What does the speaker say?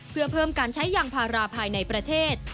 เพื่อเพิ่มการใช้ยางพาราภายในประเทศ